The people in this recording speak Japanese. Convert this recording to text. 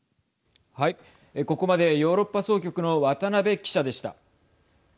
ここまでヨーロッパ総局の渡辺記者でした。